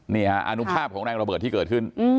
นี่ฮะอนุภาพของแรงระเบิดที่เกิดขึ้น